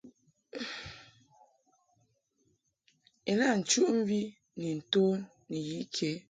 Ilaʼ nchuʼmvi ni nto ni yi ke.